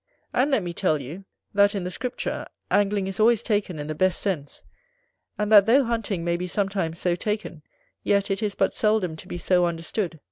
And let me tell you, that in the Scripture, Angling is always taken in the best sense; and that though hunting may be sometimes so taken, yet it is but seldom to be so understood.